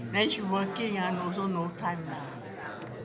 dan dia bekerja dan tidak ada waktu